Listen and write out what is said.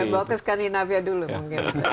iya bawa ke scandinavia dulu mungkin